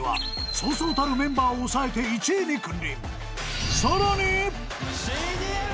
［そうそうたるメンバーを抑えて１位に君臨］